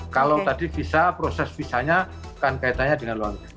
kalau tadi visa proses visanya kan kaitannya dengan luar negeri